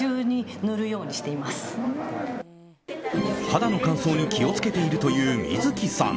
肌の乾燥に気を付けているという観月さん。